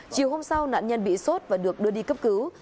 chiều hôm sau nạn nhân bị sốt và được đưa đi cấp cứu